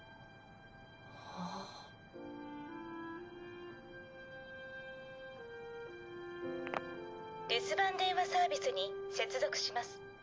あ。留守番電話サービスに接続します。